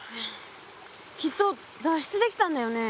きっと脱出できたんだよね？